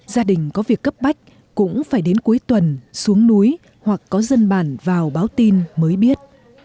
gia đình có việc cấp bách cũng phải đến cuối tuần xuống núi hoặc có dân bản vào báo tin mới biết